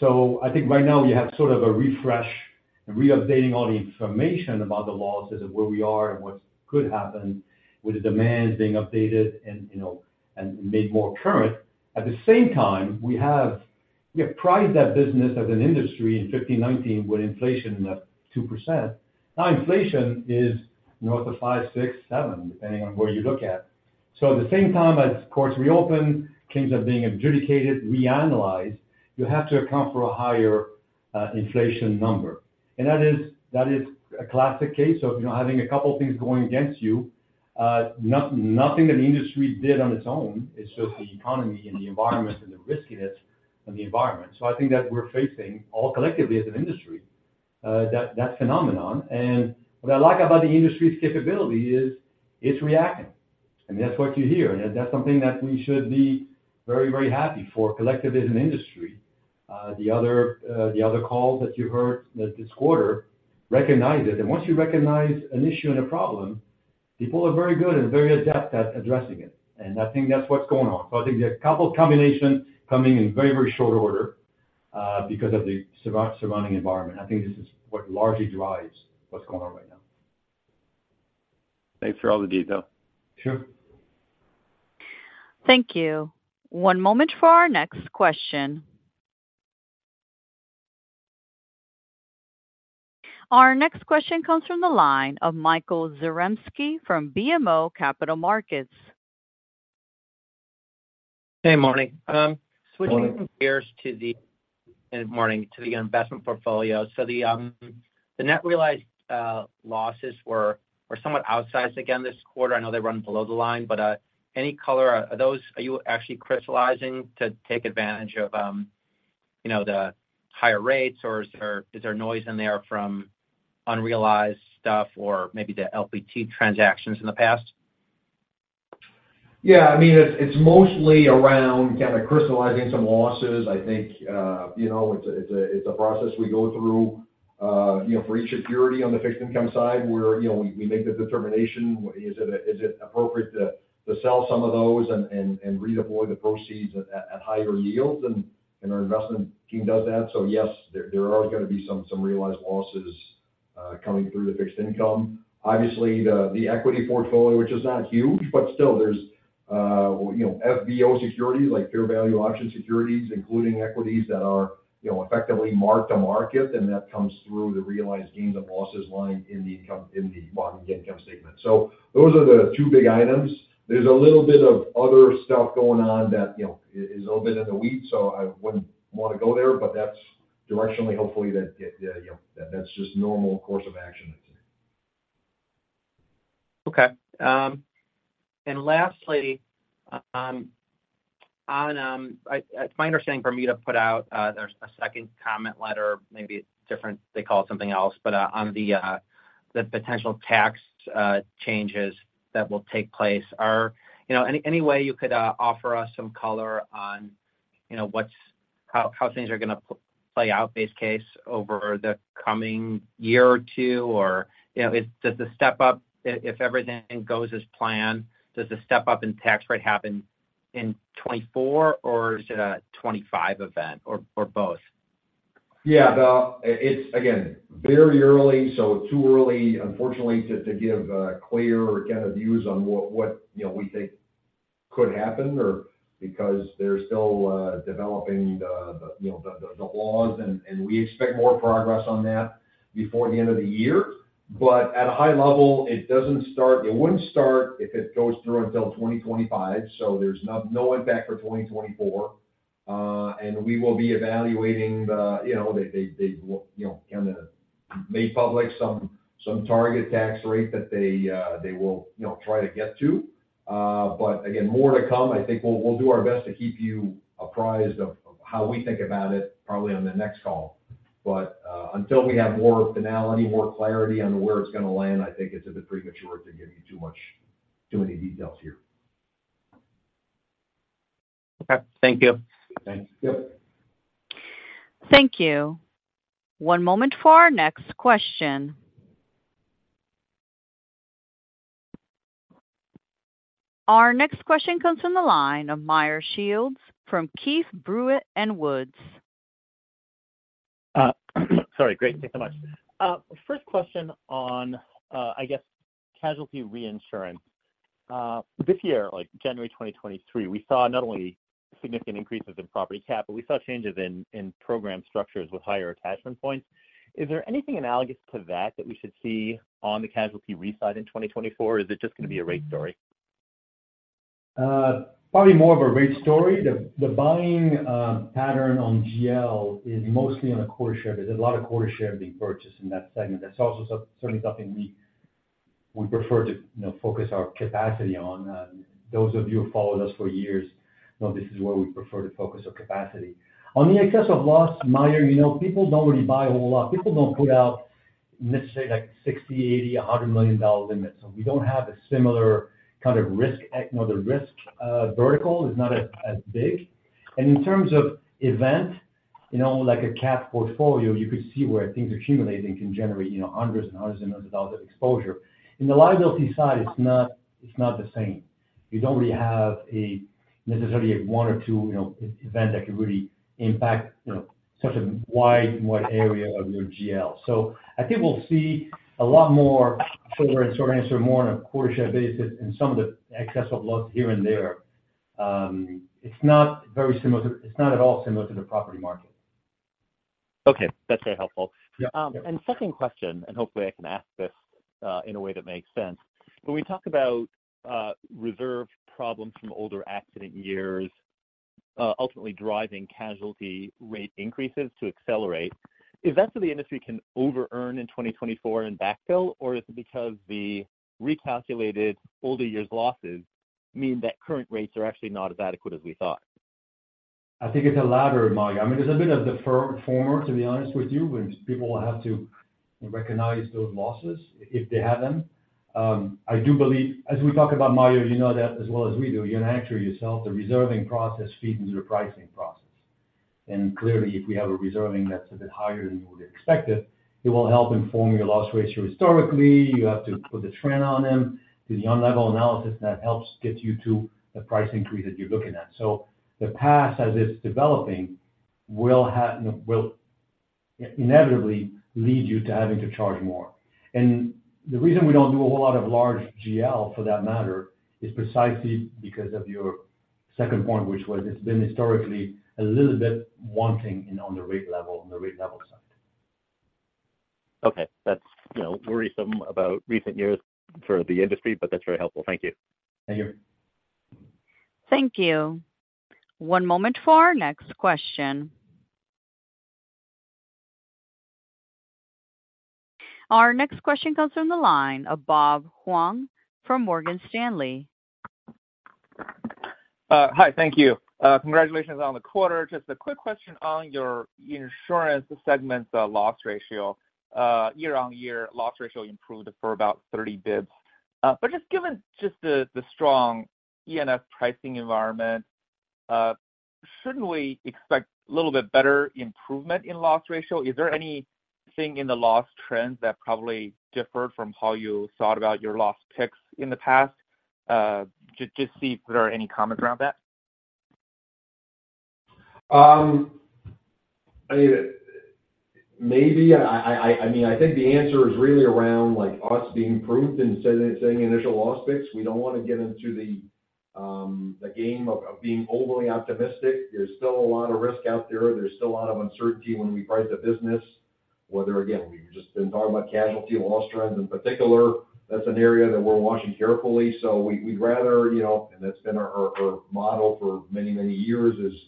So I think right now you have sort of a refresh and re-updating all the information about the lawsuits and where we are and what could happen, with the demands being updated and, you know, and made more current. At the same time, we have priced that business as an industry in 2015-2019, with inflation at 2%. Now, inflation is north of 5, 6, 7, depending on where you look at. So at the same time as courts reopen, claims are being adjudicated, reanalyzed, you have to account for a higher inflation number. And that is a classic case of, you know, having a couple of things going against you. Nothing that the industry did on its own. It's just the economy and the environment and the riskiness of the environment. So I think that we're facing, all collectively as an industry, that phenomenon. And what I like about the industry's capability is, it's reacting, and that's what you hear, and that's something that we should be very, very happy for, collectively as an industry. The other call that you heard this quarter recognized it. And once you recognize an issue and a problem, people are very good and very adept at addressing it, and I think that's what's going on. So I think you have a couple of combinations coming in very, very short order, because of the surrounding environment. I think this is what largely drives what's going on right now. Thanks for all the detail. Sure. Thank you. One moment for our next question. Our next question comes from the line of Michael Zaremski from BMO Capital Markets. Hey, morning. Morning. Switching gears to the good morning to the investment portfolio. So the net realized losses were somewhat outsized again this quarter. I know they run below the line, but any color, are you actually crystallizing to take advantage of you know the higher rates, or is there noise in there from unrealized stuff or maybe the LPT transactions in the past? Yeah, I mean, it's mostly around kind of crystallizing some losses. I think, you know, it's a process we go through, you know, for each security on the fixed income side, where, you know, we make the determination, is it appropriate to sell some of those and redeploy the proceeds at higher yields? And our investment team does that. So yes, there are going to be some realized losses coming through the fixed income. Obviously, the equity portfolio, which is not huge, but still there's, you know, FVO securities, like fair value option securities, including equities that are, you know, effectively mark to market, and that comes through the realized gains and losses line in the income- in the bottom income statement. So those are the two big items. There's a little bit of other stuff going on that, you know, is a little bit in the weeds, so I wouldn't want to go there, but that's directionally, hopefully, that, you know, that's just normal course of action. Okay. And lastly, on—it's my understanding Bermuda put out, there's a second comment letter, maybe different, they call it something else, but, on the, the potential tax, changes that will take place. You know, any way you could offer us some color on, you know, what's—how things are going to play out, base case, over the coming year or two? Or, you know, does the step up—if everything goes as planned, does the step up in tax rate happen in 2024, or is it a 2025 event, or both? Yeah. It's, again, very early, so too early, unfortunately, to give clear kind of views on what, you know, we think could happen or because they're still developing the, you know, the laws, and we expect more progress on that before the end of the year. But at a high level, it doesn't start. It wouldn't start, if it goes through, until 2025, so there's no impact for 2024. And we will be evaluating the, you know, they kind of made public some target tax rate that they will, you know, try to get to. But again, more to come. I think we'll do our best to keep you apprised of how we think about it, probably on the next call. But, until we have more finality, more clarity on where it's going to land, I think it's a bit premature to give you too much, too many details here. Okay. Thank you. Thanks. Yep. Thank you. One moment for our next question. Our next question comes from the line of Meyer Shields from Keefe, Bruyette & Woods. Sorry. Great, thank you so much. First question on, I guess, casualty reinsurance. This year, like January 2023, we saw not only significant increases in property cat, but we saw changes in program structures with higher attachment points. Is there anything analogous to that that we should see on the casualty re side in 2024, or is it just going to be a rate story? Probably more of a rate story. The buying pattern on GL is mostly on a quota share. There's a lot of quota share being purchased in that segment. That's also certainly something we prefer to, you know, focus our capacity on. And those of you who followed us for years, know this is where we prefer to focus our capacity. On the excess of loss, Meyer, you know, people don't really buy a whole lot. People don't put out, let's say, like $60 million, $80 million, $100 million limits. So we don't have a similar kind of risk. You know, the risk vertical is not as big. And in terms of event, you know, like a cat portfolio, you could see where things are accumulating, can generate, you know, hundreds and hundreds of millions of dollars of exposure. In the liability side, it's not the same. You don't really have necessarily a one or two, you know, event that could really impact, you know, such a wide area of your GL. So I think we'll see a lot more forward insurance or more on a quota share basis and some of the excess of loss here and there. It's not very similar to—it's not at all similar to the property market. Okay, that's very helpful. Yeah. Second question, and hopefully I can ask this in a way that makes sense. When we talk about reserve problems from older accident years ultimately driving casualty rate increases to accelerate, is that so the industry can overearn in 2024 and backfill, or is it because the recalculated older years' losses mean that current rates are actually not as adequate as we thought? I think it's the latter, Meyer. I mean, it's a bit of the former, to be honest with you, when people will have to recognize those losses if they have them. I do believe, as we talk about, Meyer, you know that as well as we do, you're an actuary yourself, the reserving process feeds into your pricing process. And clearly, if we have a reserving that's a bit higher than you would expect it, it will help inform your loss ratio. Historically, you have to put the trend on them, do the on-level analysis that helps get you to the price increase that you're looking at. So the past, as it's developing, will have, you know, will inevitably lead you to having to charge more. The reason we don't do a whole lot of large GL, for that matter, is precisely because of your second point, which was it's been historically a little bit wanting in on the rate level, on the rate level side. Okay. That's, you know, worrisome about recent years for the industry, but that's very helpful. Thank you. Thank you. Thank you. One moment for our next question. Our next question comes from the line of Bob Huang from Morgan Stanley. Hi. Thank you. Congratulations on the quarter. Just a quick question on your insurance segment's loss ratio. Year-on-year loss ratio improved for about 30 basis points. But just given just the, the strong E&S pricing environment, shouldn't we expect a little bit better improvement in loss ratio? Is there anything in the loss trends that probably differed from how you thought about your loss picks in the past? Just, just see if there are any comments around that? Maybe—I mean, I think the answer is really around, like, us being prudent in setting initial loss picks. We don't want to get into the game of being overly optimistic. There's still a lot of risk out there. There's still a lot of uncertainty when we price a business, whether, again, we've just been talking about casualty loss trends in particular. That's an area that we're watching carefully. So we, we'd rather, you know, and that's been our model for many, many years, is,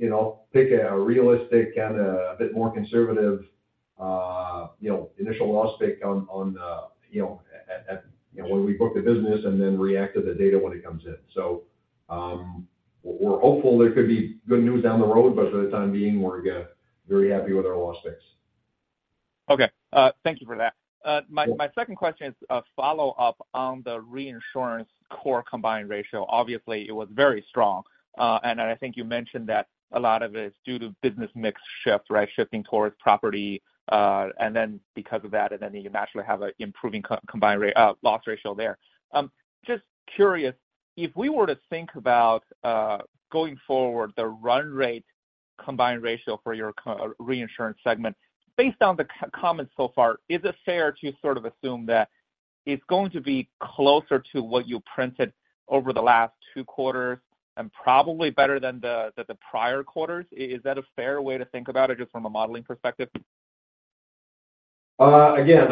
you know, take a realistic and a bit more conservative, you know, initial loss pick on the, you know, at, when we book the business and then react to the data when it comes in. So, we're hopeful there could be good news down the road, but for the time being, we're very happy with our loss picks. Okay, thank you for that. My, my second question is a follow-up on the reinsurance core combined ratio. Obviously, it was very strong, and I think you mentioned that a lot of it is due to business mix shift, right? Shifting towards property, and then because of that, and then you naturally have an improving combined loss ratio there. Just curious, if we were to think about going forward, the run rate combined ratio for your core reinsurance segment, based on the comments so far, is it fair to sort of assume that it's going to be closer to what you printed over the last two quarters and probably better than the prior quarters? Is that a fair way to think about it, just from a modeling perspective? Again,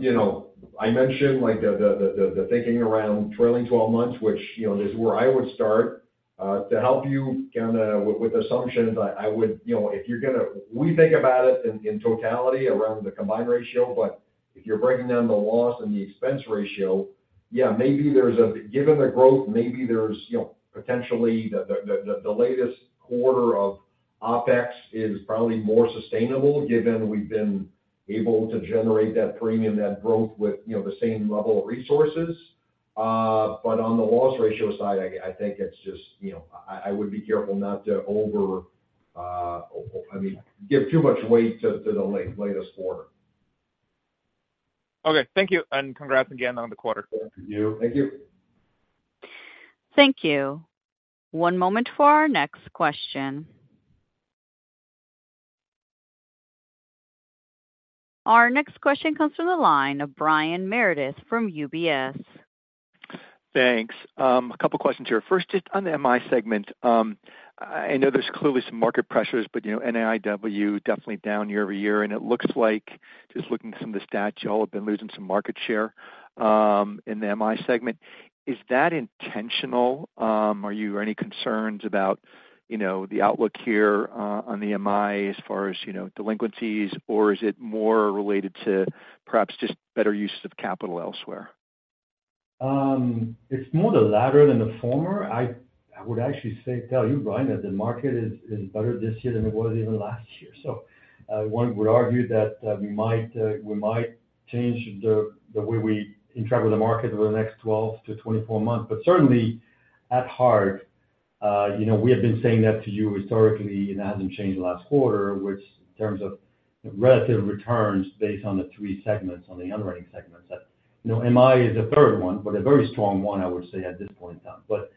you know, I mentioned, like, the thinking around trailing twelve months, which, you know, is where I would start. To help you kind of with assumptions, I would—you know, if you're going to—we think about it in totality around the combined ratio, but if you're breaking down the loss and the expense ratio, yeah, maybe there's a—given the growth, maybe there's, you know, potentially the latest quarter of OpEx is probably more sustainable, given we've been able to generate that premium, that growth with, you know, the same level of resources. But on the loss ratio side, I think it's just, you know, I would be careful not to over—I mean, give too much weight to the latest quarter. Okay, thank you, and congrats again on the quarter. Thank you. Thank you. Thank you. One moment for our next question. Our next question comes from the line of Brian Meredith from UBS. Thanks. A couple questions here. First, just on the MI segment. I know there's clearly some market pressures, but, you know, NIW definitely down year-over-year, and it looks like, just looking at some of the stats, you all have been losing some market share, in the MI segment. Is that intentional? Are you any concerns about, you know, the outlook here, on the MI as far as, you know, delinquencies, or is it more related to perhaps just better use of capital elsewhere? It's more the latter than the former. I would actually say—tell you, Brian, that the market is better this year than it was even last year. So, one would argue that we might change the way we interpret the market over the next 12-24 months. But certainly, at heart, you know, we have been saying that to you historically, and it hasn't changed last quarter, which, in terms of relative returns based on the three segments, on the underwriting segments, that, you know, MI is the third one, but a very strong one, I would say, at this point in time. But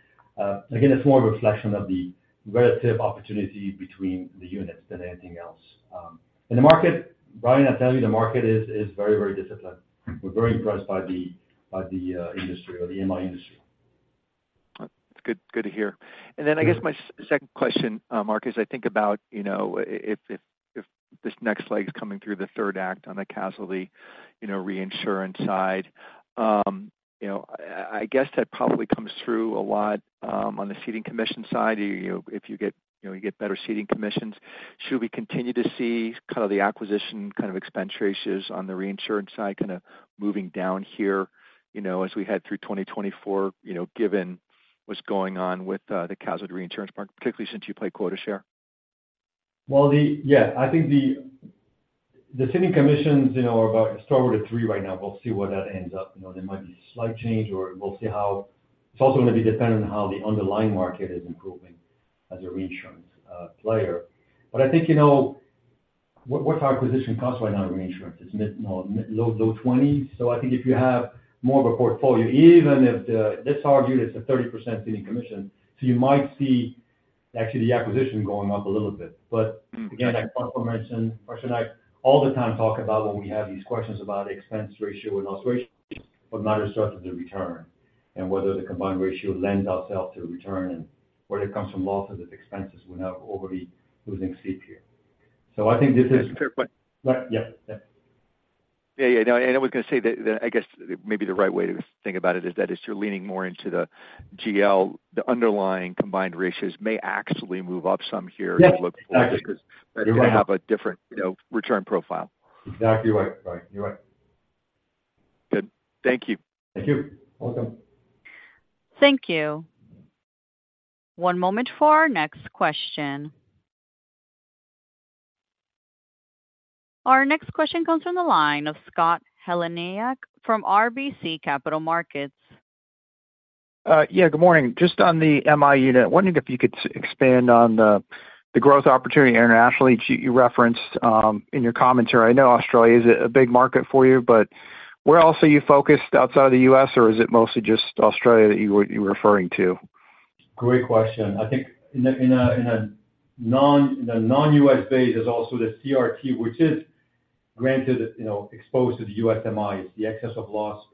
again, it's more of a reflection of the relative opportunity between the units than anything else. And the market, Brian, I'll tell you, the market is very, very disciplined. We're very impressed by the industry or the MI industry. It's good, good to hear. And then I guess my second question, Marc, is I think about, you know, if this next leg is coming through the third act on the casualty, you know, reinsurance side, you know, I guess that probably comes through a lot on the ceding commission side. You know, if you get, you know, you get better ceding commissions, should we continue to see kind of the acquisition kind of expense ratios on the reinsurance side kind of moving down here, you know, as we head through 2024, you know, given what's going on with the casualty reinsurance market, particularly since you play quota share? Well, the, yeah, I think the ceding commissions, you know, are about start with a 3 right now. We'll see where that ends up. You know, there might be a slight change, or we'll see how. It's also going to be dependent on how the underlying market is improving as a reinsurance player. But I think, you know, what's our acquisition cost right now in reinsurance? It's mid, well, low 20s. So I think if you have more of a portfolio, even if the, let's argue it's a 30% ceding commission, so you might see actually the acquisition going up a little bit. But again, as François mentioned, or should I all the time talk about when we have these questions about expense ratio and loss ratio, but not as much as the return and whether the combined ratio lends ourselves to return and whether it comes from losses or expenses, we have already losing sleep here. So I think this is— That's a fair point. Right. Yeah. Yeah. Yeah, yeah. I know, I was going to say that, that I guess maybe the right way to think about it is that as you're leaning more into the GL, the underlying combined ratios may actually move up some here— Yes. To look because you're going to have a different, you know, return profile. Exactly right, Brian. You're right. Good. Thank you. Thank you. Welcome. Thank you. One moment for our next question. Our next question comes from the line of Scott Heleniak from RBC Capital Markets. Yeah, good morning. Just on the MI unit, wondering if you could expand on the growth opportunity internationally that you referenced in your commentary. I know Australia is a big market for you, but where else are you focused outside of the U.S., or is it mostly just Australia that you were, you're referring to? Great question. I think in the non-U.S. base, there's also the CRT, which is granted, you know, exposed to the USMI, the excess of loss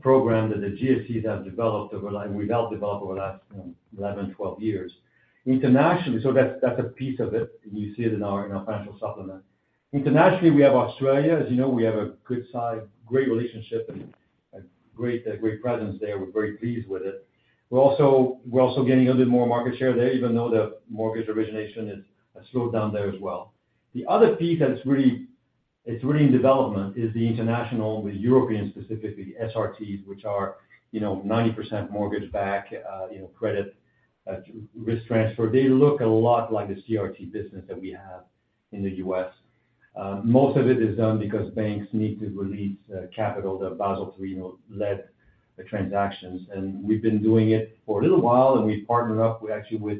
program that the GSEs have developed over, we helped develop over the last 11, 12 years. Internationally, so that's, that's a piece of it. You see it in our, in our financial supplement. Internationally, we have Australia. As you know, we have a good size, great relationship, and a great, a great presence there. We're very pleased with it. We're also, we're also gaining a little bit more market share there, even though the mortgage origination has slowed down there as well. The other piece that's really, it's really in development is the international, the European, specifically SRTs, which are, you know, 90% mortgage-backed, you know, credit risk transfer. They look a lot like the CRT business that we have in the U.S. Most of it is done because banks need to release capital, the Basel III, you know, led the transactions, and we've been doing it for a little while, and we've partnered up with—actually with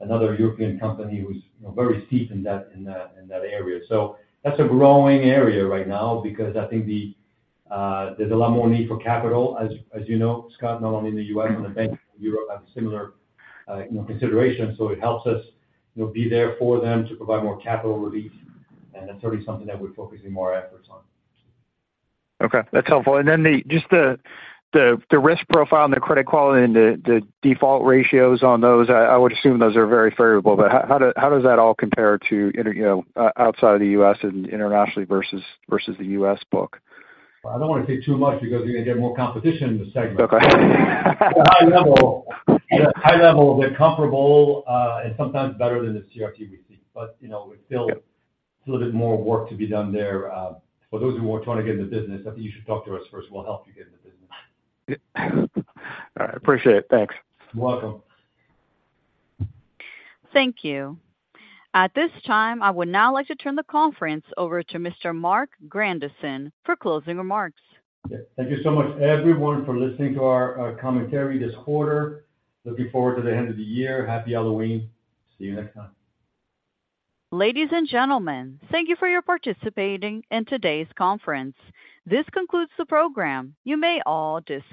another European company who's, you know, very deep in that, in that, in that area. So that's a growing area right now because I think the—there's a lot more need for capital, as, as you know, Scott, not only in the U.S., and the banks in Europe have a similar, you know, consideration. So it helps us, you know, be there for them to provide more capital relief, and that's already something that we're focusing more efforts on. Okay, that's helpful. And then just the risk profile and the credit quality and the default ratios on those, I would assume those are very favorable. But how does that all compare to international, you know, outside the U.S. and internationally versus the U.S. book? I don't want to say too much because you're going to get more competition in the segment. Okay. High level, high level, they're comparable, and sometimes better than the CRT we see. But, you know, we still a little bit more work to be done there. For those who are trying to get in the business, I think you should talk to us first. We'll help you get in the business. All right. Appreciate it. Thanks. You're welcome. Thank you. At this time, I would now like to turn the conference over to Mr. Marc Grandisson for closing remarks. Thank you so much everyone for listening to our, our commentary this quarter. Looking forward to the end of the year. Happy Halloween. See you next time. Ladies and gentlemen, thank you for your participating in today's conference. This concludes the program. You may all disconnect.